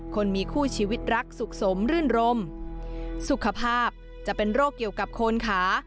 คนมีคู่ชีวิตรักสุขสมรื่นรมสุขภาพจะเป็นโรคเกี่ยวกับโคนขา